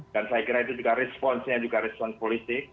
dan saya kira itu juga responsnya juga respons politik